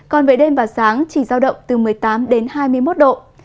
còn về đêm vào sáng chỉ ra động từ một mươi tám đến hai mươi một độ